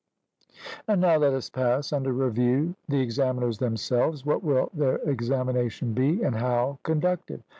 And now let us pass under review the examiners themselves; what will their examination be, and how conducted?